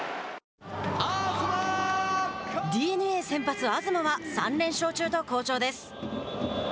ＤｅＮＡ先発、東は３連勝中と好調です。